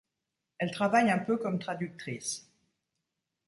Elle travaille un peu comme traductrice.